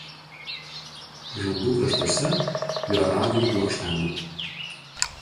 Žandų kraštuose yra raginių plokštelių.